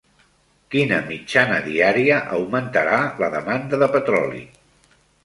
Quina mitjana diària augmentarà la demanda de petroli?